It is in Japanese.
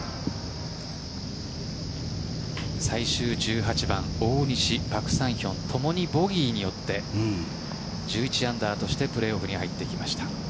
最終１８番大西、パク・サンヒョン共にボギーによって１１アンダーとしてプレーオフに入ってきました。